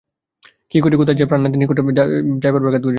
কি করি কোথায় যাই প্রাণনাথের নিকটে যাইবার ব্যাঘাত জন্মিল।